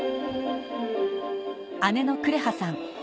姉のくれはさん